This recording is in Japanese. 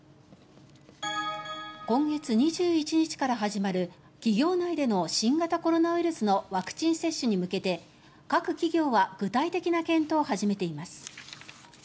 今月２１日から始まる企業内での新型コロナウイルスのワクチン接種に向けて各企業は具体的な検討を始めています。